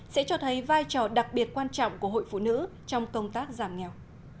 sẽ cho thấy vai trò đặc biệt quan trọng của hội phụ nữ trong công tác giảm nghèo